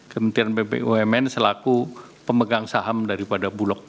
kementerian bumn selaku pemegang saham daripada bulog